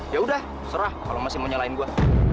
ya udah serah kalau masih menyelain gua